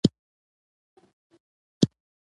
کارګر ګوند خپل کاندیدان معرفي کړل.